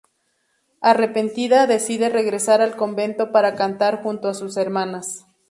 Arrepentida, decide regresar al convento para cantar junto a sus hermanas.